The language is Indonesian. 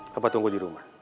papa tunggu dirumah